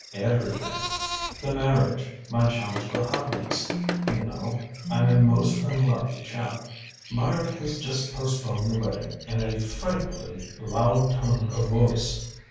"Everything. The marriage my chance for happiness Minot, I'm a most unlucky chap. Meyrick has just postponed the wedding in a frightfully loud tone of voice."